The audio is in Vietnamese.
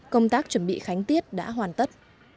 công tác chuẩn bị khánh tiết đã hoàn tất